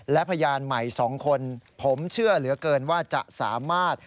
และพยานใหม่๒คนผมเชื่อเหลือเกินว่าจะสามารถ